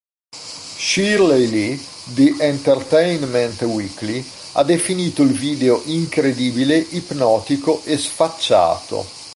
Shirley Li di "Entertainment Weekly" ha definito il video incredibile, ipnotico e sfacciato.